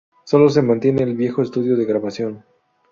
Sólo se mantiene el viejo estudio de grabación.